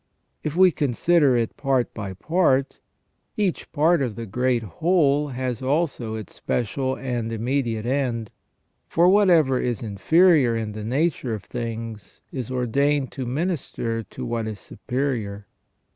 If we consider it part by part, each part of the great whole has also its special and immediate end ; for whatever is inferior in the nature of things is ordained to minister to what is superior.